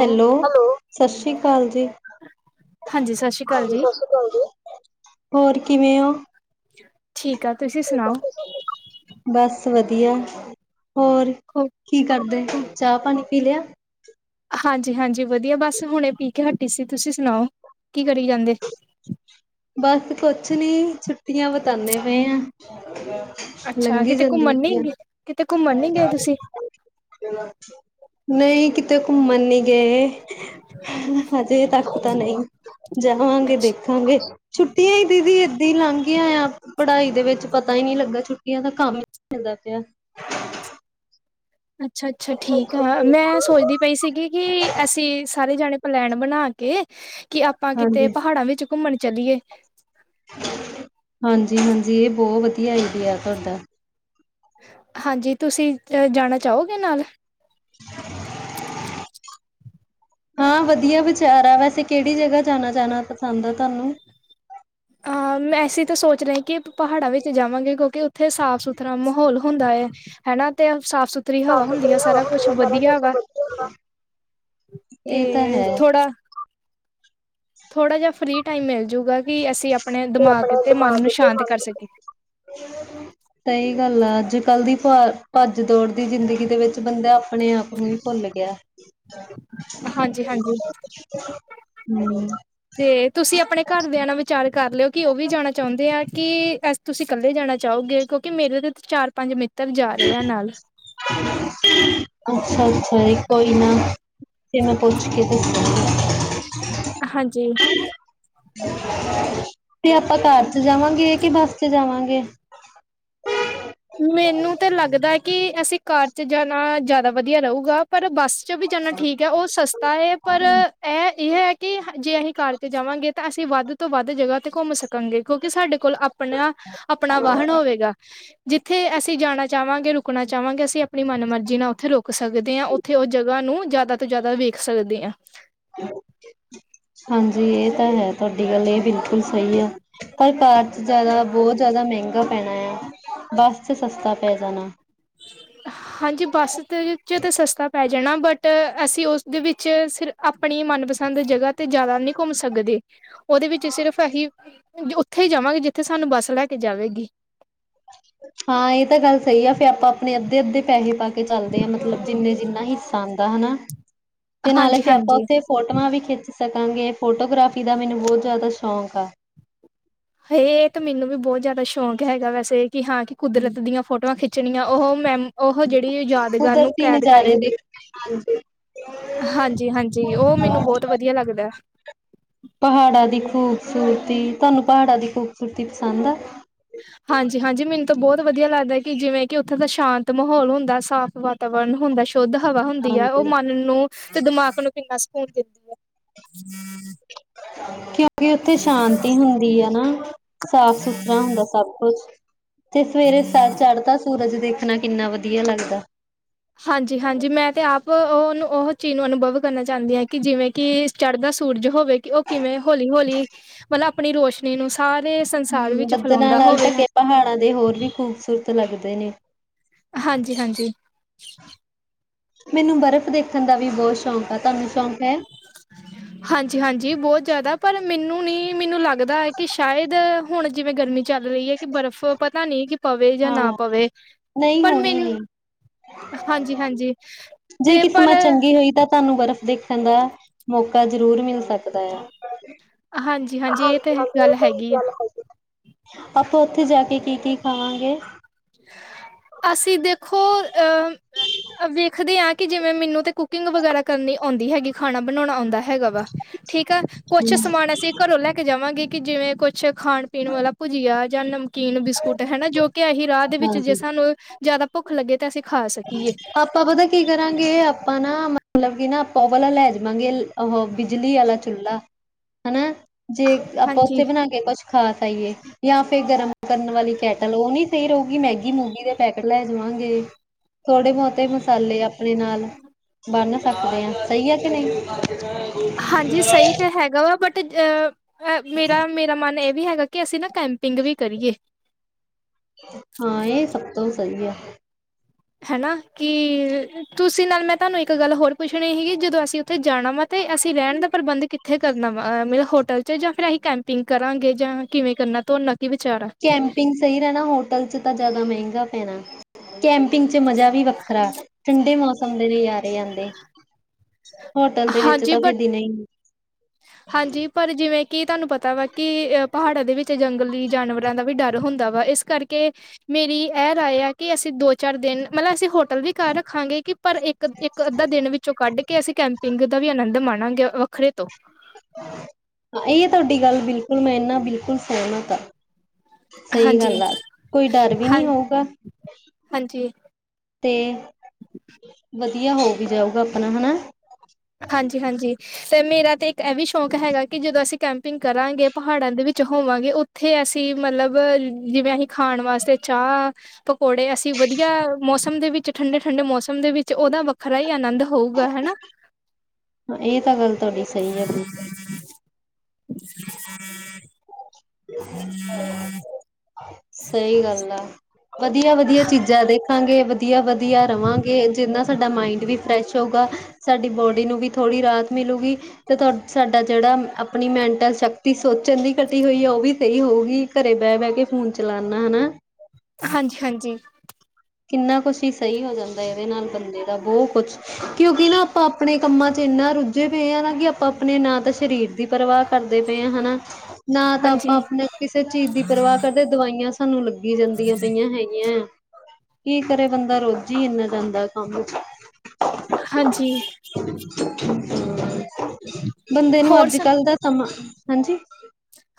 Hello, ਸਤਿ ਸ੍ਰੀ ਅਕਾਲ ਜੀ। ਹਾਂਜੀ ਸਤਿ ਸ਼੍ਰੀ ਅਕਾਲ ਜੀ ਹੋਰ ਕਿਵੇਂ ਹੋ? ਠੀਕ ਆ, ਤੁਸੀਂ ਸੁਣਾਓ? ਬਸ ਵਧੀਆ, ਹੋਰ ਕੀ ਕਰਦੇ, ਚਾਹ- ਪਾਣੀ- ਪੀਲੀਆ। ਹਾਂਜੀ- ਹਾਂਜੀ ਵਧੀਆ ਬਸ ਹੁਣੇ ਪੀ ਕੇ ਹਟੀ ਸੀ, ਤੁਸੀਂ ਸੁਣਾਓ ਕੀ ਕਰੀ ਜਾਂਦੇ? ਬਸ ਕੁਛ ਨੀ, ਛੁੱਟੀਆਂ ਬਤਾਉਂਦੇ ਪਏ ਆ। ਅੱਛਾ ਲੰਘੀ ਕਿਤੇ ਜਾਂਦੀਆਂ ਘੁੰਮਣ ਨੀ ਗਏ ਕਿਤੇ ਘੁੰਮਣ ਨੀ ਫੇਰ। ਗਏ ਤੁਸੀਂ ਨਹੀਂ ਕਿਤੇ ਘੁੰਮਣ ਨਹੀਂ ਗਏ, ਹਜੇ ਤੱਕ ਤਾਂ ਪਤਾ ਨਹੀਂ। ਜਾਵਾਂਗੇ ਅੱਛਾ ਦੇਖਾਂਗੇ, ਛੁੱਟੀਆਂ ਹੀ ਦੀਦੀ ਏਦਾਂ ਹੀ ਲੰਗ ਗਈਆਂ ਆ। ਪੜਾਈ ਦੇ ਵਿੱਚ ਪਤਾ ਹੀ ਨਹੀਂ ਲੱਗਾ ਛੁੱਟੀਆਂ ਦਾ ਕੰਮ ਹੀ ਮਿਲਦਾ ਪਿਆ। ਅੱਛਾ- ਅੱਛਾ ਠੀਕ ਹਾ, ਮੈਂ ਆ ਸੋਚਦੀ- ਪਈ ਸੀਗੀ ਕਿ, ਅਸੀਂ ਸਾਰੇ ਜਾਣੇ ਪਲੈਨ ਬਣਾ ਕੇ ਕਿ ਆਪਾਂ ਕਿਤੇ ਹਾਂਜੀ ਪਹਾੜਾਂ ਵਿੱਚ ਘੁੰਮਣ ਚਲੀਏ। ਹਾਂਜੀ- ਹਾਂਜੀ ਇਹ ਬਹੁਤ ਵਧੀਆ ਆਈਡੀਆ ਤੁਹਾਡਾ। ਹਾਂਜੀ ਤੁਸੀਂ ਅ ਜਾਣਾ ਚਾਹੋਗੇ ਨਾਲ? [unintelligible] ਹਾਂ ਵਧੀਆ ਵਿਚਾਰ ਆ, ਵੈਸੇ ਕਿਹੜੀ ਜਗਾ ਜਾਣਾ- ਜਾਣਾ ਪਸੰਦ ਆ ਤੁਹਾਨੂੰ? ਅ ਹਾਂ ਮੈਂ ਐਸੀ ਤਾਂ ਸੋਚ ਰਹੇ ਕਿ ਪਹਾੜਾਂ ਵਿੱਚ ਜਾਵਾਂਗੇ, ਕਿਉਂਕਿ ਉੱਥੇ ਸਾਫ- ਸੁਥਰਾ ਮਾਹੌਲ ਹੁੰਦਾ ਏ। ਹਨਾ ਤੇ ਸਾਫ਼ ਸੁਥਰਾ- ਥਰੀ ਹਵਾ ਸਾਫ਼ ਹੁੰਦੀ ਆ, ਸੁਥਰੀ ਹਵਾ ਸਾਰਾ ਹੁੰਦੀ ਕੁਛ ਹੈ ਸਾਰਾ ਵਧੀਆ ਵਾ, ਵਧੀਆ ਵਾ ਇਹ ਤਾਂ ਤੇ ਹੈ ਥੋੜਾ। ਥੋੜਾ ਜਿਹਾ ਫ੍ਰਰੀ ਟਾਈਮ ਮਿਲਜੂਗਾ ਕਿ ਅਸੀਂ ਆਪਣੇ ਦਿਮਾਗ ਆਪਣੇ ਤੇ, ਮਨ ਨੂੰ ਦਿਮਾਗ ਤੇ ਸ਼ਾਂਤ ਮਨ ਕਰ ਸਕੀ। ਸਹੀ ਗੱਲ ਆ ਅੱਜ ਕੱਲ ਦੀ ਪਾਰ- ਭੱਜ ਦੌੜ ਦੀ ਜ਼ਿੰਦਗੀ ਦੇ ਵਿੱਚ ਬੰਦਾ ਆਪਣੇ ਆਪ ਨੂੰ ਹੀ ਭੁੱਲ ਗਿਆ ਹਾਂਜੀ ਹਾਂਜੀ ਹਮ ਤੇ ਤੁਸੀਂ ਆਪਣੇ ਘਰਦਿਆਂ ਨਾਲ ਵਿਚਾਰ ਕਰ ਲਿਓ ਕਿ ਉਹ ਵੀ ਜਾਣਾ ਚਾਹੁੰਦੇ ਆ ਕਿ ਅ ਤੁਸੀਂ ਕੱਲੇ ਜਾਣਾ ਚਾਹੋਗੇ ਕਿਉਂਕਿ ਮੇਰੇ ਦੇ ਚਾਰ ਪੰਜ ਮਿੱਤਰ ਤਕ ਜਾ ਰਹੇ ਆ ਨਾਲ ਅੱਛਾ ਅੱਛਾ ਜੀ ਕੋਈ ਨਾ ਤੈਨੂੰ ਪੁੱਛ ਕੇ ਦੱਸਾ ਹਾਂਜੀ ਤੇ ਆਪਾਂ ਕਾਰ ਚ ਜਾਵਾਂਗੇ ਕਿ ਬੱਸ ਚ ਜਾਵਾਂਗੇ ਮੈਨੂੰ ਤਾਂ ਲੱਗਦਾ ਹੈ ਕਿ ਅਸੀਂ ਕਾਰ ਚ ਜਾਣਾ ਜ਼ਿਆਦਾ ਵਧੀਆ ਰਹੂਗਾ ਪਰ ਬੱਸ ਚ ਵੀ ਜਾਨਾ ਠੀਕ ਹੈ ਉਹ ਸਸਤਾ ਹੈ ਪਰ ਇਹ ਇਹ ਹੈ ਕਿ ਜੇ ਅਸੀਂ ਕਾਰ ਤੇ ਜਾਵਾਂਗੇ ਤਾਂ ਅਸੀਂ ਵੱਧ ਤੋਂ ਵੱਧ ਜਗ੍ਹਾ ਤੇ ਘੁੰਮ ਸਕ ਸਕਾਂਗੇ ਕਿਉਂਕਿ ਸਾਡੇ ਕੋਲ ਆਪਣਾ ਆਪਣਾ ਵਾਹਨ ਹੋਵੇਗਾ ਜਿੱਥੇ ਅਸੀਂ ਜਾਣਾ ਚਾਹਵਾਂਗੇ ਰੁਕਣਾ ਚਾਹਵਾਂਗੇ ਅਸੀਂ ਆਪਣੀ ਮਨ ਮਰਜ਼ੀ ਨਾਲ ਉੱਥੇ ਰੁਕ ਸਕਦੇ ਹਾਂ ਉੱਥੇ ਉਹ ਜਗ੍ਹਾ ਨੂੰ ਜ਼ਿਆਦਾ ਤੋਂ ਜ਼ਿਆਦਾ ਵੇਖ ਸਕਦੇ ਹਾਂ ਹਾਂਜੀ ਇਹ ਤਾਂ ਹੈ ਤੁਹਾਡੀ ਗੱਲ ਇਹ ਬਿਲਕੁਲ ਸਹੀ ਆ ਪਰ ਕਾਰ ਚ ਜ਼ਿਆਦਾ ਬਹੁਤ ਜ਼ਿਆਦਾ ਮਹਿੰਗਾ ਪੈਣਾ ਹੈ ਬਸ ਚ ਸਸਤਾ ਪੈ ਜਾਣਾ ਹ ਹਾਂਜੀ ਬੱਸ ਦੇ ਵਿੱਚ ਤਾਂ ਸਸਤਾ ਪੈ ਜਾਣਾ ਬਟ ਅਸੀਂ ਉਸਦੇ ਵਿੱਚ ਸਿਰ ਆਪਣੀ ਮਨਪਸੰਦ ਜਗ੍ਹਾ ਤੇ ਜ਼ਿਆਦਾ ਨਹੀਂ ਘੁੰਮ ਸਕਦੇ ਉਹਦੇ ਵਿੱਚ ਸਿਰਫ ਅਸੀਂ ਉੱਥੇ ਹੀ ਜਾਵਾਂਗੇ ਜਿੱਥੇ ਸਾਨੂੰ ਬੱਸ ਲੈ ਕੇ ਜਾਵੇਗੀ ਹਾਂ ਇਹ ਤਾਂ ਗੱਲ ਸਹੀ ਆ ਫੇ ਆਪਾਂ ਆਪਣੇ ਅੱਧੇ ਅੱਧੇ ਪੈਸੇ ਪਾ ਕੇ ਚੱਲਦੇ ਹਾਂ ਮਤਲਬ ਜਿੰਨੇ ਜਿੰਨਾ ਹਿੱਸਾ ਆਉਂਦਾ ਹਨਾ ਤੇ ਨਾਲੇ ਫਿਰ ਆਪਾਂ ਹਾਂਜੀ-ਹਾਂਜੀ ਉੱਥੇ ਫੋਟੋਆਂ ਵੀ ਖਿੱਚ ਸਕਾਂਗੇ ਫੋਟੋਗ੍ਰਾਫੀ ਦਾ ਮੈਨੂੰ ਬਹੁਤ ਜ਼ਿਆਦਾ ਸ਼ੌਕ ਆ ਹ ਇਹ ਤਾਂ ਮੈਨੂੰ ਵੀ ਬਹੁਤ ਜ਼ਿਆਦਾ ਸ਼ੌਕ ਹੈਗਾ ਵੈਸੇ ਕਿ ਹਾਂ ਕਿ ਕੁਦਰਤ ਦੀਆਂ ਫੋਟੋਆਂ ਖਿੱਚਣੀਆਂ ਉਹ ਮੈ ਉਹ ਜਿਹੜੀ ਯਾਦਗਾਰ ਨੂੰ ਕੈਦ ਕਰ ਹਾਂਜੀ ਹਾਂਜੀ ਹਾਂਜੀ ਉਹ ਮੈਨੂੰ ਬਹੁਤ ਵਧੀਆ ਲੱਗਦਾ ਪਹਾੜਾਂ ਦੀ ਖੂਬਸੂਰਤੀ ਤੁਹਾਨੂੰ ਪਹਾੜਾਂ ਦੀ ਖੂਬਸੂਰਤੀ ਪਸੰਦ ਆ। ਹਾਂਜੀ ਹਾਂਜੀ ਮੈਨੂੰ ਤਾਂ ਬਹੁਤ ਵਧੀਆ ਲੱਗਦਾ ਕਿ ਜਿਵੇਂ ਕਿ ਉੱਥੇ ਦਾ ਸ਼ਾਂਤ ਮਾਹੌਲ ਹੁੰਦਾ ਸਾਫ਼ ਵਾਤਾਵਰਨ ਹੁੰਦਾ ਸ਼ੁੱਧ ਹਵਾ ਹੁੰਦੀ ਹੈ ਉਹ ਹਾਂਜੀ ਮਨ ਨੂੰ ਤੇ ਦਿਮਾਗ ਨੂੰ ਕਿੰਨਾ ਸਕੂਨ ਦਿੰਦੀ ਹੈ ਕਿਉਂ ਕਿ ਉੱਥੇ ਸ਼ਾਂਤੀ ਹੁੰਦੀ ਹੈ ਨਾ ਸਾਫ ਸੁਥਰਾ ਹੁੰਦਾ ਸਭ ਕੁਛ ਤੇ ਸਵੇਰੇ ਸਤ ਚੜ੍ਹਦਾ ਸੂਰਜ ਦੇਖਣਾ ਕਿੰਨਾ ਵਧੀਆ ਲੱਗਦਾ ਹਾਂਜੀ ਹਾਂਜੀ ਮੈਂ ਤੇ ਆਪ ਉਹਨੂੰ ਉਹ ਚੀਜ਼ ਨੂੰ ਅਨੁਭਵ ਕਰਨਾ ਚਾਹੁੰਦੀ ਹਾਂ ਕਿ ਜਿਵੇਂ ਕਿ ਚੜ੍ਹਦਾ ਸੂਰਜ ਹੋਵੇ ਕਿ ਉਹ ਕਿਵੇਂ ਹੌਲੀ ਹੌਲੀ ਮਤਲਬ ਆਪਣੀ ਰੋਸ਼ਨੀ ਨੂੰ ਸਾਰੇ ਸੰਸਾਰ ਹਮ ਵਿੱਚ ਬੱਦਨਾਂ ਫੈਲਾਉਂਦਾ ਨਾਲ ਹੋਵੇ ਹੈ। ਢਕੇ ਪਹਾੜਾਂ ਦੇ ਹੋਰ ਵੀ ਖੂਬਸੂਰਤ ਲੱਗਦੇ ਨੇ ਹਾਂਜੀ ਹਾਂਜੀ ਅ ਮੈਨੂੰ ਬਰਫ਼ ਦੇਖਣ ਦਾ ਵੀ ਬਹੁਤ ਸ਼ੌਕ ਆ ਤੁਹਾਨੂੰ ਸ਼ੌਕ ਹੈ ਹਾਂ ਹਾਂਜੀ ਹਾਂਜੀ ਬਹੁਤ ਜ਼ਿਆਦਾ ਪਰ ਮੈਨੂੰ ਨੀ ਮੈਨੂੰ ਲੱਗਦਾ ਹੈ ਕਿ ਸ਼ਾਇਦ ਹੁਣ ਜਿਵੇਂ ਗਰਮੀ ਚੱਲ ਰਹੀ ਹੈ ਕਿ ਬਰਫ਼ ਪਤਾ ਨਹੀਂ ਕਿ ਪਵੇ ਜਾਂ ਨਾ ਹਾਂ, ਪਵੇ ਨਹੀਂ ਪਰ ਹੋਣੀ ਮੈਨੂੰ ਨੀ। ਹਾਂਜੀ ਹਾਂਜੀ ਤੇ ਪਰ ਲਗੀ ਹੋਈ ਤਾਂ ਤੁਹਾਨੂੰ ਬਰਫ਼ ਦੇਖਣ ਦਾ ਮੌਕਾ ਜ਼ਰੂਰ ਮਿਲ ਸਕਦਾ ਆ ਹਾਂਜੀ-ਹਾਂਜੀ ਇਹ ਤੇ ਹਾਂਜੀ ਹਾਂਜੀ ਗੱਲ ਇਹ ਤਾਂ ਗੱਲ ਹੈਗੀ ਆਪਾਂ ਉੱਥੇ ਜਾ ਕੇ ਕੀ ਕੀ ਖਾਵਾਂਗੇ ਅਸੀਂ ਦੇਖੋ ਅਹ ਵੇਖਦੇ ਹਾਂ। ਕਿ ਜਿਵੇਂ ਮੈਨੂੰ ਤੇ ਕੁਕਿੰਗ ਵਗੈਰਾ ਕਰਨੀ ਆਉਂਦੀ ਹੈਗੀ ਖਾਣਾ ਬਣਾਉਣਾ ਆਉਂਦਾ ਹੈ ਹੈਗਾ ਵਾ ਠੀਕ ਆ ਕੁਛ ਸਮਾਨ ਅਸੀਂ ਘਰੋਂ ਲੈ ਕੇ ਜਾਵਾਂਗੇ ਕਿ ਜਿਵੇਂ ਛੇ ਖਾਣ ਪੀਣ ਵਾਲਾ ਭੁਜੀਆ ਜਾਂ ਨਮਕੀਨ ਬਿਸਕੁਟ ਹਨਾ ਜੋ ਕਿ ਇਹੀ ਦੇ ਵਿੱਚ ਜੇ ਹਾਂਜੀ। ਸਾਨੂੰ ਜਿਆਦਾ ਭੁੱਖ ਲੱਗੇ ਤਾਂ ਅਸੀਂ ਖਾ ਸਕੀਏ ਆਪਾਂ ਪਤਾ ਕੀ ਕਰਾਂਗੇ, ਢਆਪਾਂ ਨਾ ਮਤਲਬ ਕਿ ਨਾ ਆਪਾਂ ਉਹ ਵਾਲਾ ਲੈ ਜਾਵਾਂਗੇ ਉਹ ਬਿਜਲੀ ਵਾਲਾ ਚੁੱਲ੍ਹਾ, ਹੈਨਾ ਜੇ ਆਪਾਂ ਹਾਂਜੀ ਉੱਤੇ ਬਣਾ ਕੇ ਕੁਛ। ਖਾਸ ਆਈਏ ਜਾਂ ਫਿਰ ਗਰਮ ਕਰਨ ਵਾਲੀ ਕੈਟਲ ਉਹ ਨਹੀਂ ਸਹੀ ਰਹੇਗੀ ਮੈਗੀ ਮੂਗੀ ਦੇ ਪੈਕੇਟ ਲੈ ਜਾਵਾਂਗੇ ਥੋੜੇ ਬਹੁਤੇ ਮਸਾਲੇ ਆਪਣੇ ਨਾਲ ਬੰਨ ਸਕਦੇ ਆ, ਸਹੀ ਆ ਕਿ ਨਹੀਂ। ਹਾਂਜੀ ਸਹੀ ਤਾਂ ਹੈਗਾ ਵਾ ਬਟ ਤੇ ਅ ਮੇਰਾ ਮੇਰਾ ਮਨ ਇਹ ਵੀ ਹੈਗਾ ਕਿ ਅਸੀਂ ਨਾ ਕੈਂਪਿੰਗ ਵੀ ਕਰੀਏ। ਹਾਂ ਇਹ ਸਭ ਤੋਂ ਸਹੀ ਆ ਹੈਨਾ, ਕਿ ਤੁਸੀਂ ਨਾਲ ਮੈਂ ਤੁਹਾਨੂੰ ਇੱਕ ਗੱਲ ਹੋਰ ਪੁੱਛਣੀ ਸੀਗੀ ਜਦੋਂ ਅਸੀਂ ਉੱਥੇ ਜਾਣਾ ਵਾ। ਤੇ ਅਸੀਂ ਰਹਿਣ ਦਾ ਪ੍ਰਬੰਧ ਕਿੱਥੇ ਕਰਨਾ ਵਾ, ਮਤਲਬ ਹੋਟਲ ' ਜਾਂ ਫਿਰ ਅਸੀਂ ਕੈਂਪਿੰਗ ਕਰਾਂਗੇ ਜਾਂ ਕਿਵੇਂ ਕਰਨਾ। ਧੋਨਾ ਕੀ ਵਿਚਾਰ ਐ। ਕੈਂਪਿੰਗ ਸਹੀ ਰਹਿਣਾ ਹੋਟਲ ਚ ਤਾਂ ਜ਼ਿਆਦਾ ਮਹਿੰਗਾ ਪੈਣਾ। ਕੈਂਪਿੰਗ ਚ ਮਜ਼ਾ ਵੀ ਵੱਖਰਾ, ਠੰਡੇ ਮੌਸਮ ਦੇ ਨਜਾਰੇ ਆਂਦੇ। ਹੋਟਲ ਦੇ ਵਿੱਚ ਹਾਂਜੀ ਤਾਂ ਬਟ ਫੇਰ ਦਿਨੇ ਈ ਹਾਂਜੀ। ਪਰ ਜਿਵੇਂ ਕਿ ਤਾਂਨੂੰ ਪਤਾ ਵਾ ਕਿ ਪਹਾੜਾਂ ਦੇ ਵਿੱਚ ਜੰਗਲੀ ਜਾਨਵਰਾਂ ਦਾ ਵੀ ਡਰ ਹੁੰਦਾ ਵਾ। ਇਸ ਕਰਕੇ ਮੇਰੀ ਐ ਰਾਏ ਆ ਕਿ ਅਸੀਂ ਦੋ- ਚਾਰ ਦਿਨ, ਮਤਲਬ ਅਸੀਂ ਹੋਟਲ ਵੀ ਕਰ ਰੱਖਾਂਗੇ ਕਿ ਪਰ ਇੱਕ, ਇੱਕ ਅੱਧਾ ਦਿਨ ਵਿੱਚੋਂ ਕੱਢ ਕੇ ਅਸੀਂ ਕੈਂਪਿੰਗ ਦਾ ਵੀ ਅਨੰਦ ਮਾਣਾਂਗੇ ਵੱਖਰੇ ਤੋਂ। ਆ ਇਹ ਤੁਹਾਡੀ ਗੱਲ ਬਿਲਕੁਲ ਮੈਂ ਇਨਾ ਬਿਲਕੁਲ ਸਹਿਮਤ ਆ। ਸਹੀ ਹਾਂਜੀ ਗੱਲ ਆ, ਕੋਈ ਡਰ ਵੀ ਹਾਂ ਨੀ ਹੋਊਗਾ। ਹਾਂਜੀ ਤੇ ਵਧੀਆ ਹੋ ਵੀ ਜਾਊਗਾ ਆਪਣਾ, ਹਨਾ। ਹਾਂਜੀ -ਹਾਂਜੀ, ਤੇ ਮੇਰਾ ਤੇ ਇੱਕ ਐ ਵੀ ਸ਼ੌਕ ਹੈਗਾ ਕਿ ਜਦੋਂ ਅਸੀਂ ਕੈਂਪਿੰਗ ਕਰਾਂਗੇ, ਪਹਾੜਾਂ ਦੇ ਵਿੱਚ ਹੋਵਾਂਗੇ, ਉੱਥੇ ਅਸੀਂ ਮਲਬ ਜਿਵੇਂ ਅਸੀਂ ਖਾਣ ਵਾਸਤੇ ਚਾਹ, ਪਕੌੜੇ ਅਸੀਂ ਵਧੀਆ ਮੌਸਮ ਦੇ ਵਿੱਚ, ਠੰਡੇ- ਠੰਡੇ ਮੌਸਮ ਦੇ ਵਿੱਚ, ਓਦਾ ਵ ਖਰਾ ਹੀ ਆਨੰਦ ਹੋਊਗਾ। ਹੈਨਾ। ਏ ਤਾਂ ਗੱਲ ਤੁਹਾਡੀ ਸਹੀ ਹੈ ਬਿਲਕੁਲ। [unintelligible] [inaudible] [unintelligible] ਸਹੀ ਗੱਲ ਆ। ਵਧੀਆ -ਵਧੀਆ ਚੀਜ਼ਾਂ ਦੇਖਾਂਗੇ, ਵਧੀਆ- ਵਧੀਆ ਰਵਾਂਗੇ, ਜਿਦੇ ਨਾਲ ਸਾਡਾ ਮਾਇੰਡ ਵੀ ਫਰੈਸ਼ ਹੋਊਗਾ ਸਾਡੀ ਬੋਡੀ ਨੂੰ ਵੀ ਥੋੜੀ ਰਾਹਤ ਮਿਲੂਗੀ। ਤੇ ਤੁਹ, ਸਾਡਾ ਜੇੜਾ ਅਪਣੀ ਮੈਂਟਲ ਸ਼ਕਤੀ ਸੋਚਣ ਦੀ ਘਟੀ ਹੋਈ ਏ, ਓ ਵੀ ਸਹੀ ਹੋਊਗੀ। ਘਰੇ ਬੈ-ਬੈ ਕੇ, ਫੋਨ ਚਲਾਨ ਨਾ। ਹਨਾ। ਹਾਂਜੀ- ਹਾਂਜੀ। ਕਿੰਨਾ ਕੁਛ ਹੀ ਸਹੀ ਹੋ ਜਾਂਦੈ ਇਦੇ ਨਾਲ ਬੰਦੇ ਦਾ, ਬਹੁ ਕੁਛ। ਕਿਉਂਕਿ ਨਾ ਆਪਾਂ - ਆਪਣੇ ਕੰਮਾਂ ਚ ਇਨਾ ਰੁੱਝੇ ਪਏਆ ਨਾ ਕਿ ਆਪਾਂ - ਆਪਣੇ ਨਾ ਤਾਂ ਸ਼ਰੀਰ ਦੀ ਪਰਵਾ ਕਰਦੇ ਪਏ ਆ। ਹਨਾ। ਨਾ ਤਾਂ ਆਪਾਂ - ਆਪਣੇ ਕਿਸੇ ਚੀਜ਼ ਦੀ ਪਰਵਾਹ ਕਰਦੇ, ਦਵਾਈਆਂ ਸਾਨੂੰ ਲੱਗੀ ਜਾਂਦੀਆਂ ਪਈਆਂ ਹੈਗੀਆਂ। ਕੀ ਕਰੇ ਬੰਦਾ, ਰੁੱਜ ਈ ਏਨਾ ਜਾਂਦੈ ਕੰਮ ਚ। ਹਾਂਜੀ। [inaudible] ਬੰਦੇ ਨੂੰ ਹੋਰ ਸ ਅੱਜਕੱਲ ਦਾ ਸਮਾਂ, ਹਾਂਜੀ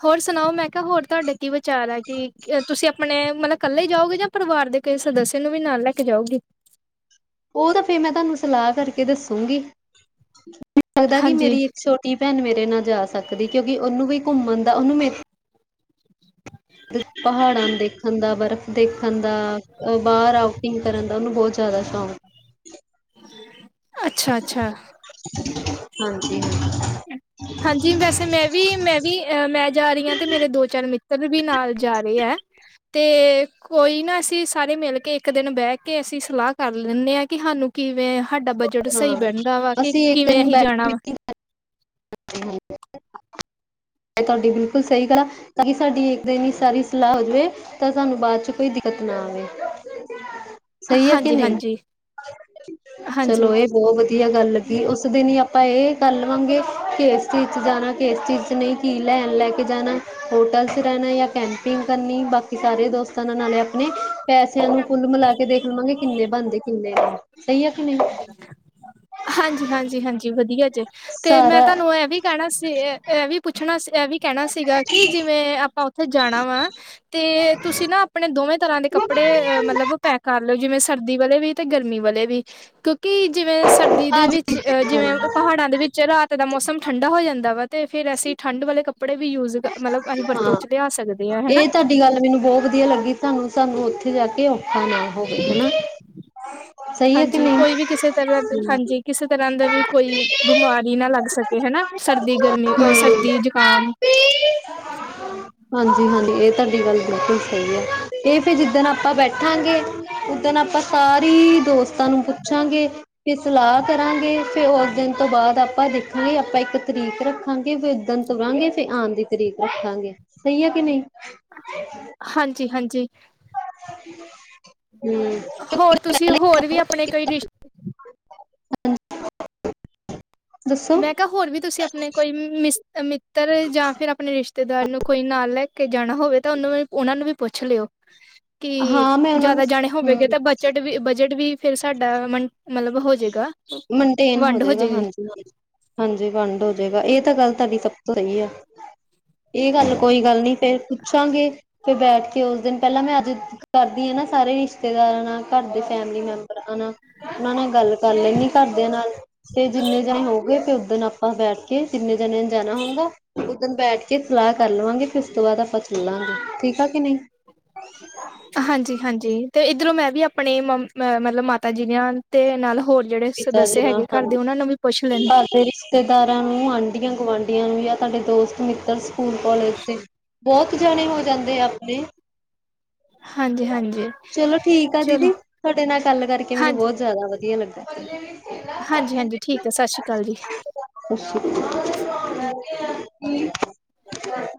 ਹੋਰ ਸੁਣਾਓ? ਮੈਂ ਕਿਆ ਹੋਰ ਤੁਹਾਡੇ ਕੀ ਵਿਚਾਰ ਆ, ਕਿ ਤੁਸੀਂ ਅਪਣੇ ਮਤਬਬ ਕੱਲੇ ਜਾਓਗੇ, ਜਾਂ ਪਰਿਵਾਰ ਦੇ ਕਿਸੇ ਸਦੱਸਯ ਨੂੰ ਵੀ ਨਾਲ ਲੈ ਕੇ ਜਾਓਗੇ? ਓ ਤਾਂ ਫੇਰ, ਮੈਂ ਤੁਹਾਨੂੰ ਸਲਾਹ ਕਰਕੇ ਦੱਸੂਗੀ। ਮੈਨੂੰ ਲੱਗਦਾ ਕੀ ਹਾਂਜੀ ਮੇਰੀ ਇੱਕ ਛੋਟੀ ਟੀ ਭੈਣ ਮੇਰੇ ਨਾਲ ਜਾ ਸਕਦੀ, ਕਿਉਂਕਿ ਓਨੂੰ ਵੀ ਘੁੰਮਣ ਦਾ, ਓਨੂੰ ਮੇ ਪਹਾੜਾਂ ਨੂੰ ਦੇਖਣ ਦਾ, ਬਰਫ਼ ਦੇਖਣ ਦਾ, ਬਾਹਰ ਆਊਟਿੰਗ ਕਰਨ ਦਾ, ਓਨੂੰ ਬੋਤ ਜ਼ਿਆਦਾ ਸ਼ੌਕ ਅੱਛਾ-ਅੱਛਾ। ਹਾਂਜੀ- ਹਾਂਜੀ। ਹਾਂਜੀ, ਵੈਸੇ ਮੈਂ ਵੀ ਮੈਂ ਵੀ, ਅ ਮੈਂ ਜਾ ਰਈਂ ਆਂ, ਤੇ ਮੇਰੇ ਦੋ-ਚਾਰ ਮਿੱਤਰ ਵੀ ਨਾਲ ਜਾ ਰੇ ਐ। ਤੇ ਕੋਈ ਨਾ, ਅਸੀਂ ਸਾਰੇ ਮਿਲ ਕੇ, ਇੱਕ ਦਿਨ ਬੈਹ ਕੇ ਅਸੀਂ ਸਲਾਹ ਕਰ ਲੈਂਨੇ ਆਂ। ਕਿ ਸਾਨੂੰ ਕਿਵੇਂ ਸਾਡਾ ਬਜਟ ਸਹੀ ਹਾਂ, ਬੈਂਦਾ ਵਾ, ਕਿ ਕਿਵੇਂ ਅਸੀ ਜਾਣਾ ਵਾ। [inaudible] ਐ ਤੁਹਾਡੀ ਬਿਲਕੁਲ ਸਹੀ ਗੱਲ ਆ। ਤਾਂ ਕਿ ਸਾਡੀ ਇੱਕ ਦਿਨ ਹੀ ਸਾਰੀ ਸਲਾਹ ਹੋ ਜਾਵੇ, ਤਾਂ ਸਾਨੂੰ ਬਾਦ ਚ ਕੋਈ ਦਿੱਕਤ ਨਾ ਆਵੇ। [inaudible] ਸਹੀ ਹੈ, ਕਿ ਨਈਂ? ਹਾਂਜੀ ਹਾਂਜੀ ਬੌ, ਵਧੀਆ ਗੱਲ ਲੱਗੀ। ਉਸ ਦਿਨ ਹੀ ਆਪਾਂ ਏਹ ਕਰ ਲਵਾਂਗੇ ਕੇ, ਇਸ ਚੀਜ਼ ਚ ਜਾਣਾ, ਕੇ ਇਸ ਚੀਜ਼ ਚ ਨਈਂ ਕਿ ਲੈਣ, ਲੈ ਕੇ ਜਾਣਾ ਹੋਟਲ ਚ ਰੈਣਾ ਜਾਂ ਕੈਂਪਿੰਗ ਕਰਨੀ, ਬਾਕੀ ਸਾਰੇ ਦੋਸਤਾਂ ਨਾਲ ਨਾ ਲਿਆ ਆਪਣੇ ਪੈਸਿਆਂ ਨੂੰ ਕੁੱਲ ਮਿਲਾ ਕੇ ਦੇਖ ਲਵਾਂਗੇ, ਕਿੰਨੇ ਬਣਦੇ ਕਿੰਨੇ ਨੇ ਸਹੀ ਹੈ। ਹਾਂਜੀ, ਹਾਂਜੀ, ਹਾਂਜੀ ਵਧੀਆ ਜੇ, ਤੇ ਮੈਂ ਸਾਰਾ ਤੁਹਾਨੂੰ ਐ ਵੀ ਕੈਹਣਾ ਸੀ। ਏਹ ਵੀ ਪੁੱਛਣਾ ਏਹ ਵੀ ਕੈਹਣਾ ਸੀਗਾ। ਕਿ ਜਿਵੇਂ ਆਪਾਂ ਉੱਥੇ ਜਾਣਾ ਵਾ ਤੇ ਤੁਸੀਂ ਨਾ, ਆਪਣੇ ਦੋਵੇਂ ਤਰ੍ਹਾਂ ਦੇ ਕੱਪੜੇ ਅ ਮਤਲਬ ਪੈ ਕਰਲੋ, ਜਿਵੇਂ ਸਰਦੀ ਵਾਲੇ ਵੀ ਤੇ ਗਰਮੀ ਵਾਲੇ ਵੀ, ਕਿਉਂਕਿ ਜਿਵੇਂ ਸਰਦੀ ਦੇ ਹਾਂਜੀ ਵਿੱਚ ਜਿਵੇਂ ਪਹਾੜਾਂ ਦੇ ਵਿੱਚ, ਰਾਤ ਦਾ ਮੌਸਮ ਠੰਡਾ ਹੋ ਜਾਂਦਾ ਵਾ। ਤੇ ਫੇਰ ਅਸੀਂ ਠੰਢ ਵਾਲੇ ਕੱਪੜੇ ਵੀ ਯੂਜ, ਮਤਲਬ ਅਸੀਂ ਵਰਤੋਂ ਹਾਂ ਚ ਲਿਆ ਸਕਦੇ ਆ। ਹੈਨਾ ਇਹ ਤੁਹਾਡੀ ਗੱਲ ਮੈਨੂੰ ਬੋ ਵਧੀਆ ਲੱਗੀ। ਸਾਨੂੰ-ਸਾਨੂੰ ਉੱਥੇ ਜਾ ਕੇ ਔਖਾ ਨਾ ਹੋਵੇ ਹੈਨਾ। [unintelligible] ਹਾਂਜੀ, ਕੋਈ ਵੀ ਕਿਸੇ ਤਰ੍ਹਾਂ ਦੇ ਹਾਂਜੀ, ਕਿਸੇ ਤਰ੍ਹਾਂ ਦਾ ਵੀ ਕੋਈ ਬਿਮਾਰੀ ਨਾ ਲੱਗ ਸਕੇ। ਹੈਨਾ ਸਰਦੀ, ਗਰਮੀ ਅ ਹੂੰ, ਸਰਦੀ ਜ਼ੁਕਾਮ। ਹਾਂਜੀ-ਹਾਂਜੀ, ਏਹ ਤੁਹਾਡੀ ਗੱਲ ਬਿਲਕੁਲ ਸਹੀ ਹੈ। ਏਹ ਫੇਰ ਜਿੱਦਣ ਆਪਾਂ ਬੈਠਾਂਗੇ। ਓਦਨ ਆਪਾਂ ਸਾਰੀ, ਦੋਸਤਾਂ ਨੂੰ ਪੁੱਛਾਂਗੇ। ਫੇਰ ਸਲਾਹ ਕਰਾਂਗੇ, ਫੇਰ ਓਸ ਦਿਨ ਤੋਂ ਬਾਅਦ ਆਪਾਂ ਦੇਖਾਂਗੇ। ਆਪਾਂ ਇੱਕ ਤਰੀਕ ਰ ਰੱਖਾਂਗੇ। ਫੇਰ ਓਦਣ ਤੁਰਾਂਗੇ, ਫੇਰ ਆਂਣ ਦੀ ਤਰੀਕ ਰੱਖਾਂਗੇ ਸਹੀ ਹੈ। ਕਿ ਨਹੀਂ ਹਾਂਜੀ-ਹਾਂਜੀ। ਹੂੰ। ਹੋਰ, ਤੁਸੀਂ ਹੋਰ ਵੀ ਆਪਣੇ ਕਈ ਰਿਸ਼ਤੇ [inaudible] ਦੱਸੋ ਮੈਂ ਕਿਹਾ, ਹੋਰ ਵੀ ਤੁਸੀਂ ਆਪਣੇ ਕੋਈ ਮਿਸ ਮਿੱਤਰ ਜਾਂ ਫੇਰ ਆਪਣੇ ਰਿਸ਼ਤੇਦਾਰ ਨੂੰ ਕੋਈ ਨਾਲ ਲੈ ਕੇ ਜਾਣਾ ਹੋਵੇ, ਤਾਂ ਓਨੂੰ ਓਨਾਂ ਨੂੰ ਵੀ ਪੁੱਛ ਲੋ, ਕਿ ਹਾਂ ਮੈਂ ਉਹਨਾਂ ਨੂੰ ਜਿਆਦਾ ਜਾਣੇ ਹਮ ਹੋਵੇਗੇ। ਤਾਂ ਬਜਟ ਵੀ ਬਜਟ ਵੀ ਫਿਰ ਸਾਡਾ ਮਤਲਬ ਹੋ ਜਾਏਗਾ ਮੇਨਟੇਨ ਵੰਡ ਹੋ ਜਾਏਗਾ ਜਾਵੇਗੀ ਹਾਂਜੀ ਹਾਂਜੀ ਹਾਂਜੀ ਵੰਡ ਹੋ ਜਾਏਗਾ ਇਹ ਤਾਂ ਗੱਲ ਤੁਹਾਡੀ ਸਭ ਤੋਂ ਸਹੀ ਆ ਇਹ ਗੱਲ ਕੋਈ ਗੱਲ ਨੀ ਫੇਰ ਪੁੱਛਾਂਗੇ ਫੇਰ ਬੈਠ ਕੇ ਉਸ ਦਿਨ ਪਹਿਲਾਂ ਮੈਂ ਅੱਜ ਕਰਦੀ ਆ ਨਾ ਸਾਰੇ ਰਿਸ਼ਤੇਦਾਰਾਂ ਨਾਲ ਘਰ ਦੇ ਫੈਮਿਲੀ ਮੈਂਬਰਾਂ ਨਾਲ ਉਹ ਨੇ ਗੱਲ ਕਰ ਲੈਂਣੀ ਘਰਦਿਆਂ ਨਾਲ ਤੇ ਜਿੰਨੇ ਜਾਣੇ ਹੋ ਗਏ ਤੇ ਓ ਦਿਨ ਆਪਾਂ ਬੈਠ ਕਿੰਨੇ ਜਾਣੇਆਂ ਨੇ ਜਾਣਾ ਹੋਊਗਾ ਉੱਧਣ ਬੈਠ ਕੇ ਸਲਾਹ ਕਰ ਲਵਾਂਗੇ ਉਸ ਤੋਂ ਬਾਅਦ ਆਪਾਂ ਚੱਲਾਂਗੇ ਠੀਕ ਆ ਕਿ ਨਹੀਂ ਹਾਂਜੀ ਹਾਂਜੀ ਤੇ ਇੱਧਰੋਂ ਮੈਂ ਵੀ ਆਪਣੇ ਮਤਲਬ ਮਾਤਾ ਜੀ ਦੇ ਆਣ ਤੇ ਨਾਲ ਹੋਰ ਜਿਹੜੇ ਪਿਤਾ ਸਦਸ ਜੀ ਨਾਲ ਹੈਗੇ ਘਰ ਦੇ ਹਾਂਜੀ ਉਹ ਨੂੰ ਵੀ ਪੁੱਛ ਲੈਣ ਘਰ ਦੇ ਰਿਸ਼ਤੇਦਾਰਾਂ ਨੂੰ ਆਂਢੀਆਂ ਗੁਆਂਢੀਆਂ ਨੂੰ ਜਾਂ ਤੁਹਾਡੇ ਦੋਸਤ ਮਿੱਤਰ ਸਕੂਲ ਕਾਲਜ ਦੇ ਬਹੁਤ ਜਾਣੇ ਹੋ ਜਾਂਦੇ ਆ ਆਪਣੇ ਹਮ ਚਲੋ ਠੀਕ ਆ ਦੀਦੀ ਤੁਹਾਡੇ ਨਾਲ ਗੱਲ ਕਰਕੇ ਮੈਨੂੰ ਬਹੁਤ ਜ਼ਿਆਦਾ ਵਧੀਆ ਲੱਗਾ। ਪੱਲੇ ਵੀ ਹਾਂਜੀ ਹਾਂਜੀ ਠੀਕ ਹੈ ਸਤਿ ਸ਼੍ਰੀ ਅਕਾਲ ਜੀ ਅੱਛਾ [unintelligible]